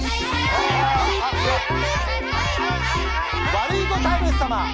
ワルイコタイムス様。